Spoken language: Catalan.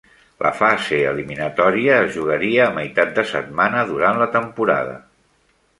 La fase eliminatòria es jugaria a meitat de setmana durant la temporada.